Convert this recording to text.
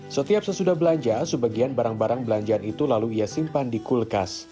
setiap sesudah belanja sebagian barang barang belanjaan itu lalu ia simpan di kulkas